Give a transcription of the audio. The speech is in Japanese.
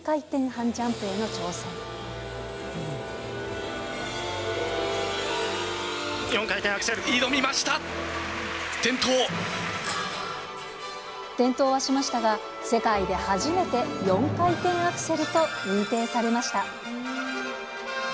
転倒はしましたが、世界で初めて４回転アクセルと認定されました。